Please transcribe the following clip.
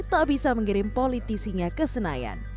tak bisa mengirim politisinya ke senayan